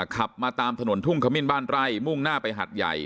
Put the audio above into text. ขับมาตามถนนทุ่งขมิ้นบ้านไร่มุ่งหน้าไปหัดใหญ่